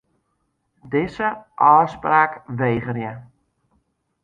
Dizze ôfspraak wegerje.